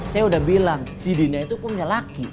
saya udah bilang si dina itu punya laki